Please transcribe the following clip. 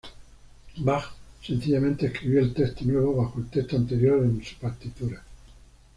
Bach sencillamente escribió el texto nuevo bajo el texto anterior en su partitura.